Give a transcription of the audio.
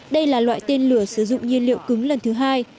đây là loại tên lửa sử dụng nhiên liệu cứng lần thứ hai